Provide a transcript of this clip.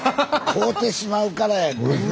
買うてしまうからやんか。